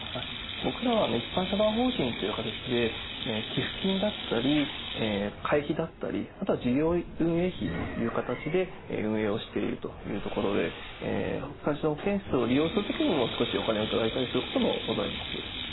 僕らは一般社団法人という形で寄付金だったり会費だったりあとは事業運営費という形で運営をしているというところで「暮らしの保健室」を利用する時にも少しお金を頂いたりすることもございます。